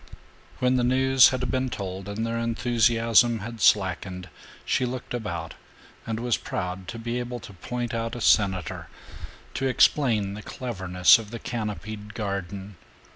When the news had been told and their enthusiasm had slackened she looked about and was proud to be able to point out a senator, to explain the cleverness of the canopied garden.